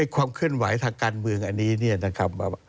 ความเคลื่อนไหวทางการเมืองอันนี้เนี่ยนะครับ